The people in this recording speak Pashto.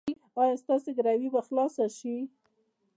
ایا ستاسو ګروي به خلاصه شي؟